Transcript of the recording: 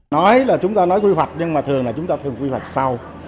nói là chúng ta nói quy hoạch nhưng mà thường là chúng ta thường quy hoạch sau